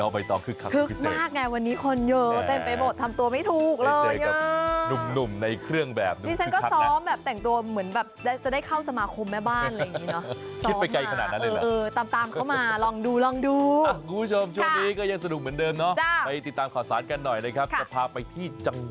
โปรดติดตามตอนต่อไป